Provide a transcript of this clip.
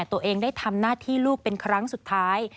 ตัวเองได้ทำหน้าที่ลูกเป็นครั้งสุดท้าย